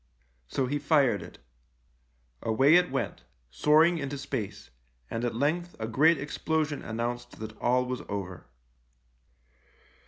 So he fired it. Away it went, soaring into space, and at length a great explosion announced that all was over.